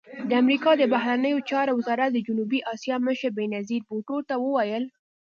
د امریکا د بهرنیو چارو وزارت د جنوبي اسیا مشر بېنظیر بوټو ته وویل